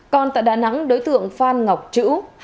còn tại đà nẵng đối tượng phan ngọc trữ